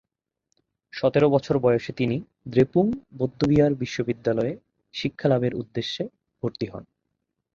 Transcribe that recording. সতেরো বছর বয়সে তিনি দ্রেপুং বৌদ্ধবিহার বিশ্ববিদ্যালয়ে শিক্ষালাভের উদ্দেশ্যে ভর্তি হন।